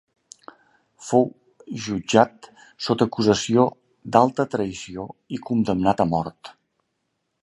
Fou jutjat sota acusació d'alta traïció i condemnat a mort.